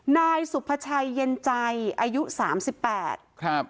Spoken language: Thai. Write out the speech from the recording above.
นายสุภาชัยเย็นใจอายุสามสิบแปดครับ